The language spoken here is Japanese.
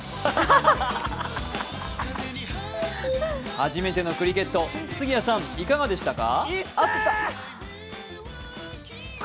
初めてのクリケット、杉谷さん、いかがでしたか？